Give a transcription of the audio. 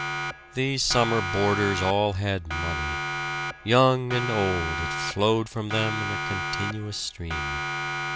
These summer boarders all had money. Young and old, it flowed from them in a continuous stream.